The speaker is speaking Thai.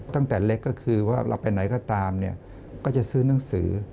ตั้งแต่เล็กก็คือว่าเราไปไหนก็ตามเนี่ยก็จะซื้อหนังสือ